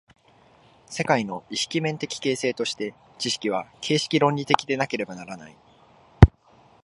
世界の意識面的形成として、知識は形式論理的でなければならない。